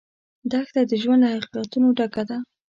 دښته د ژوند له حقیقتونو ډکه ده.